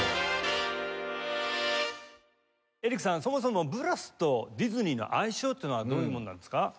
そもそもブラスとディズニーの相性っていうのはどういうものなんですか？